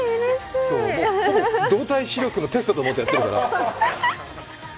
ほぼ動体視力のテストと思ってるから。